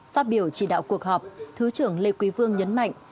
phát biểu chỉ đạo cuộc họp thứ trưởng lê quý vương nhấn mạnh